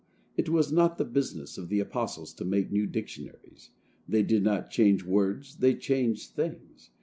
It was not the business of the apostles to make new dictionaries; they did not change words,—they changed things.